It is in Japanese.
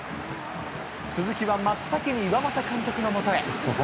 鈴木は真っ先に岩政監督のもとへ。